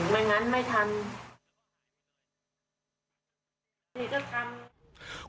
ไม่งั้นไม่ทัน